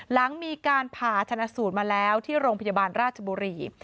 หลังมีการผ่าชนะสูตรมาแล้วที่โรงพยาบาลราชบุรี